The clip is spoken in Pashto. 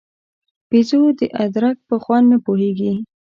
بېزو د ادرک په خوند نه پوهېږي.